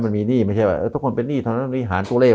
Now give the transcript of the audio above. มันมีหนี้ไม่ใช่แบบเออทุกคนเป็นหนี้เท่านั้นมันมีหารตัวเลขมา